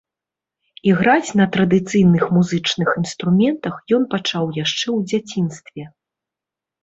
Іграць на традыцыйных музычных інструментах ён пачаў яшчэ ў дзяцінстве.